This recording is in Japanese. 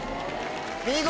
見事